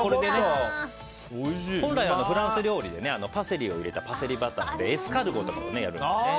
本来はフランス料理でパセリを入れたパセリバターでエスカルゴとかもやる。